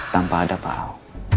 tanpa ada pak al